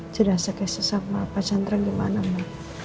cerasa kek sesama pak chandra gimana ma